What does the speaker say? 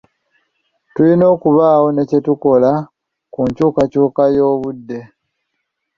Tulina okubaako ne kye tukola ku nkyukakyuka y'obudde